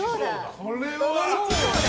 これは。